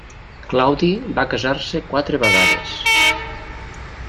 Claudi va casar-se quatre vegades.